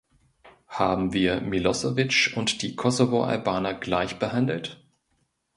Haben wir Milosevic und die Kosovo-Albaner gleich behandelt?